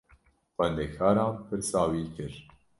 Xwendekaran pirsa wî kir.